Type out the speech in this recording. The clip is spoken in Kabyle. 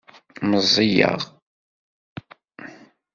Meẓẓiyeɣ.